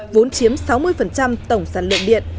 vốn chiếm sáu mươi tổng sản lượng điện